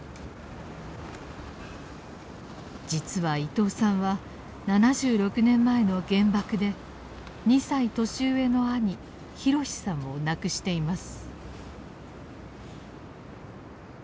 実は伊東さんは７６年前の原爆で２歳年上の兄宏さんを亡くしています。